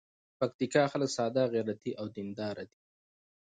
پکتیکا خلک ساده، غیرتي او دین دار دي.